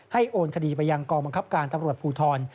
โอนคดีไปยังกองบังคับการตำรวจภูทร